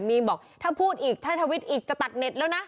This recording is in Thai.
มีนบอกถ้าพูดอีกถ้าทวิตอีกจะตัดเน็ตแล้วนะ